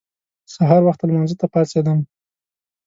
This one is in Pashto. سهار وخته لمانځه ته پاڅېدم.